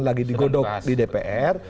lagi digodok di dpr